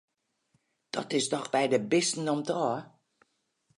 Dat is dochs by de bisten om't ôf!